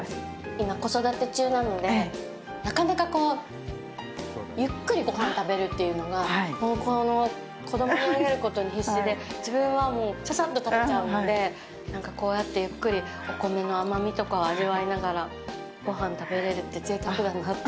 今、子育て中なので、なかなかゆっくりごはん食べるっていうのが子供にあげることに必死で自分はささっと食べちゃうのでこうやってゆっくりお米の甘みとかを味わいながら、ごはん食べれるってぜいたくだなって。